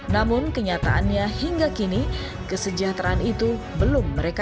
namun kenyataannya hingga kini kesejahteraan itu belum mereka